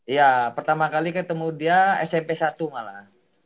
iya pertama kali ketemu dia smp satu malah